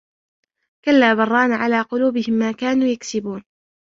كَلَّا بَلْ رَانَ عَلَى قُلُوبِهِمْ مَا كَانُوا يَكْسِبُونَ